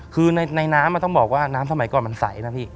คือในน้ำต้องบอกว่าน้ำสมัยก่อนมันใสนะพี่